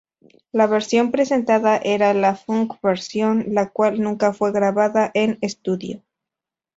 La versión presentada era la "funk version", la cual nunca fue grabada en estudio.